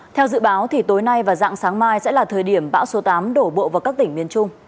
theo dự báo tối nay và dạng sáng mai sẽ là thời điểm bão số tám đổ bộ vào các tỉnh miền trung